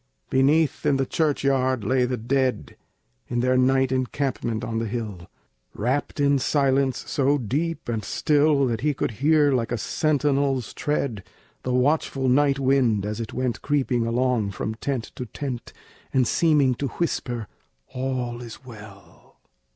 Beneath, in the churchyard, lay the dead In their night encampment on the hill, Wrapped in silence so deep and still, That he could hear, like a sentinel's tread, The watchful night wind, as it went Creeping along from tent to tent, And seeming to whisper, "All is well!"